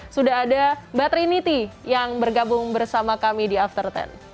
sudah ada mbak trinity yang bergabung bersama kami di after sepuluh